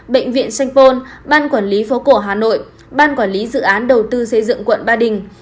bệnh viện sanh pôn ban quản lý phố cổ hà nội ban quản lý dự án đầu tư xây dựng quận ba đình